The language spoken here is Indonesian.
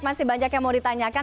masih banyak yang mau ditanyakan